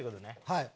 はい。